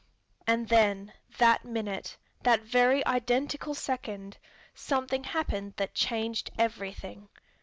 And then, that minute, that very identical second, something happened that changed everything.